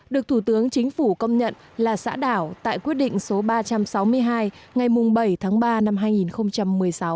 được thủ tướng chính phủ công nhận là xã đảo tại quyết định số ba trăm sáu mươi hai ngày bảy tháng ba năm hai nghìn một mươi sáu